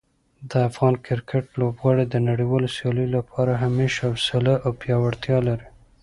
د افغان کرکټ لوبغاړي د نړیوالو سیالیو لپاره همیش حوصله او پیاوړتیا لري.